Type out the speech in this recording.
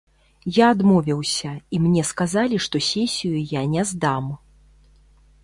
Я адмовіўся, і мне сказалі, што сесію я не здам.